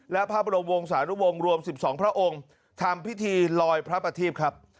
และพระบดมวงศานุวงศ์รวมสิบสองพระองศ์ทำพิธีลอยพระปฏิภัท